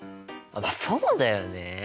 まあそうだよね。